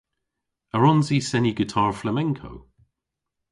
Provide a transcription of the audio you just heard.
A wrons i seni gitar flamenco?